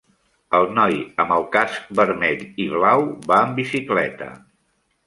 El noi amb el casc vermell i blau va en bicicleta.